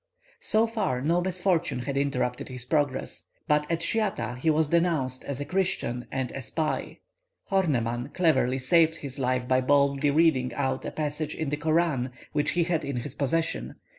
So far no misfortune had interrupted his progress. But at Schiatah he was denounced as a Christian and a spy. Horneman cleverly saved his life by boldly reading out a passage in the Koran which he had in his possession.